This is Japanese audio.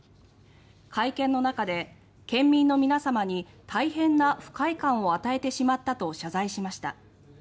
会見の中で県民の皆様に大変な不快感を与えてしまったと謝罪しました。